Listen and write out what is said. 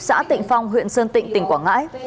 xã tịnh phong huyện sơn tịnh tỉnh quảng ngãi